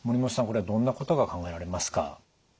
これはどんなことが考えられますか？